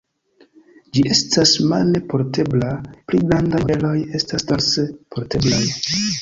Ĝi estas mane portebla, pli grandaj modeloj estas dorse porteblaj.